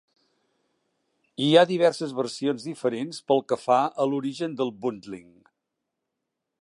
Hi ha diverses versions diferents pel que fa a l'origen de Boontling.